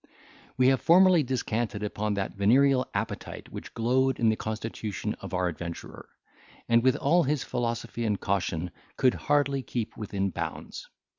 We have formerly descanted upon that venereal appetite which glowed in the constitution of our adventurer, and with all his philosophy and caution could hardly keep within bounds.